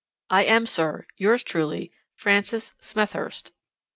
'I am, sir, 'Yours truly, 'Francis Smethurst.'